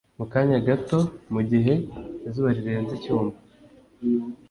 mu kanya gato mugihe izuba rirenze; icyuma